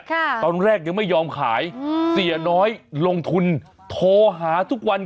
ตอนแรกยังไม่ยอมขายอืมเสียน้อยลงทุนโทรหาทุกวัน